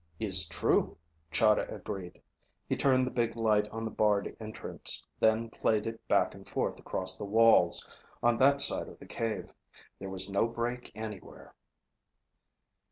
"Is true," Chahda agreed. He turned the big light on the barred entrance, then played it back and forth across the walls on that side of the cave. There was no break anywhere.